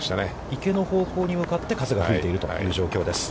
池の方向に向かって風が吹いているという状況です。